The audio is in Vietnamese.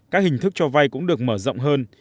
các hình thức cho vay cũng được mở rộng hơn